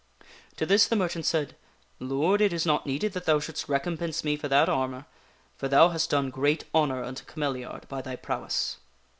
To this the merchant said :" Lord, it is not needed that thou shouldst recompense me for that armor, for thou hast done great honor unto Cameliard by thy prowess."